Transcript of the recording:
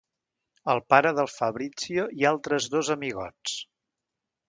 El pare del Fabrizio i altres dos amigots.